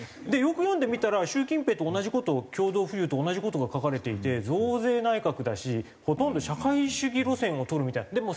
よく読んでみたら習近平と同じ事を共同富裕と同じ事が書かれていて増税内閣だしほとんど社会主義路線を取るみたいな。